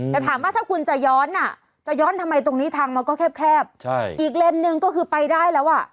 แต่ถามว่าถ้าคุณจะย้อนอ่ะจะย้อนทำไมตรงนี้ทางมันก็แคบใช่อีกเลนส์หนึ่งก็คือไปได้แล้วอ่ะ